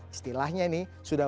istilahnya ini sudah